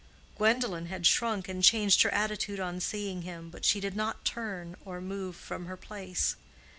Gwendolen had shrunk and changed her attitude on seeing him, but she did not turn or move from her place.